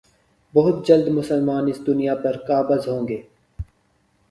بہت جلد مسلمان اس دنیا پر قابض ہوں گے